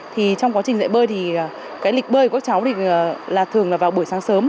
trong quá trình dạy bơi thì lịch bơi của các cháu thường vào buổi sáng sớm